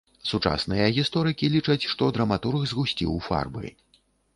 Сучасныя гісторыкі лічаць, што драматург згусціў фарбы.